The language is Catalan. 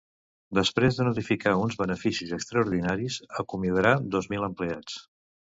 Després de notificar uns beneficis extraordinaris, acomiadarà dos mil empleats.